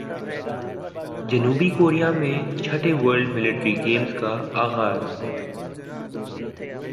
جنوبی کوریا میں چھٹے ورلڈ ملٹری گیمز کا اغاز